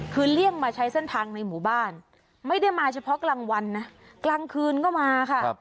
คือเลี่ยงมาใช้เส้นทางในหมู่บ้านไม่ได้มาเฉพาะกลางวันนะกลางคืนก็มาค่ะ